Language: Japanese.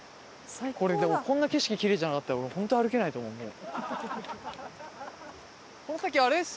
これでもこんな景色きれいじゃなかったら俺ホント歩けないと思うもう。